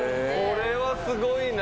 これはすごいな。